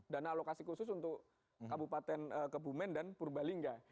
dana alokasi khusus untuk kabupaten kebumen dan purbalingga